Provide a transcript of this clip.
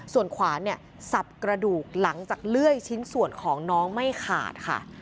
ส่วนขวานเนี่ยสับกระดูกหลังจากเลื่อยชิ้นส่วนของน้องไม่ขาดค่ะ